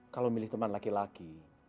kalau milih teman laki laki